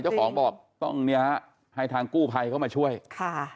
เจ้าของบอกต้องเนี่ยฮะให้ทางกู้ภัยเข้ามาช่วยค่ะ